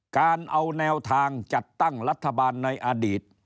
การเอาแนวทางจัดตั้งรัฐบาลในอดีต